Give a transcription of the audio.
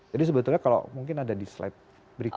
jadi sebetulnya kalau mungkin ada di slide berikutnya